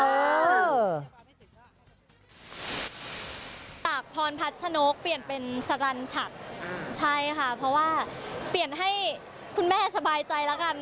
ตากพรพัชนกเปลี่ยนเป็นสรรชัดใช่ค่ะเพราะว่าเปลี่ยนให้คุณแม่สบายใจแล้วกัน